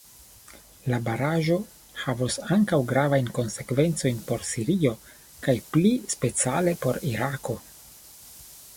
La baraĵo havos ankaŭ gravajn konsekvencojn por Sirio kaj pli speciale por Irako.